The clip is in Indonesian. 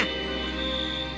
itu tugasmu untuk menjaganya